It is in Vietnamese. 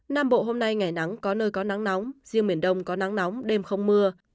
nam bộ hôm nay ngày nắng có nơi có nắng nóng riêng miền đông có nắng nóng đêm không mưa